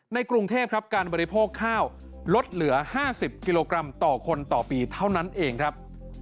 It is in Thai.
กรุงเทพครับการบริโภคข้าวลดเหลือ๕๐กิโลกรัมต่อคนต่อปีเท่านั้นเองครับ